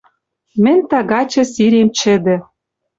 Мӹнь тагачы сирем чӹдӹ